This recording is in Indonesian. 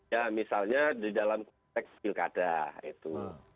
ya misalnya di dalam konteks pilkada itu